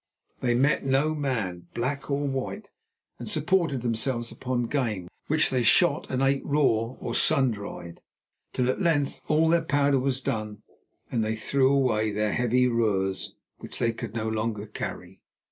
They met no man, black or white, and supported themselves upon game, which they shot and ate raw or sun dried, till at length all their powder was done and they threw away their heavy roers, which they could no longer carry.